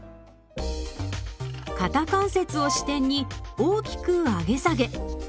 肩関節を支点に大きく上げ下げ。